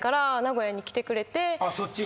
そっちに？